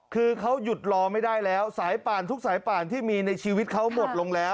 คือเขาหยุดรอไม่ได้แล้วสายป่านทุกสายป่านที่มีในชีวิตเขาหมดลงแล้ว